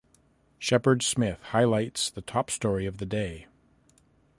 Shepard Smith highlights the top story of the day.